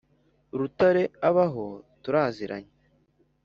rutare abaho turaziranye